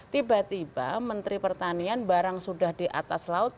tiba tiba menteri pertanian barang sudah di atas laut